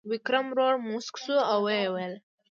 ویکرم ورو موسک شو او وویل: